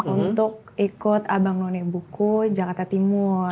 untuk ikut abang none buku jakarta timur